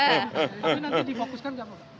dari materi materi itu